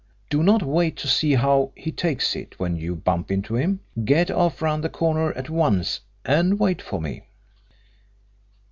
Do not wait to see how he takes it when you bump into him get off round the corner at once and wait for me."